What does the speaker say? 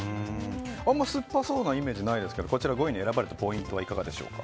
あんまり酸っぱそうなイメージがないですけどこちら５位に選ばれたポイントはいかがでしょうか。